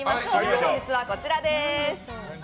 本日はこちらです。